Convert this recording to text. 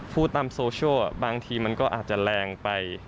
พูดตามโซเชียลบางทีมันก็อาจจะแรงไป